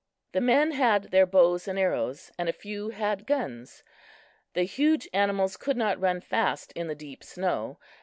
The men had their bows and arrows, and a few had guns. The huge animals could not run fast in the deep snow.